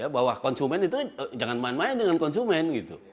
bahwa konsumen itu jangan main main dengan konsumen gitu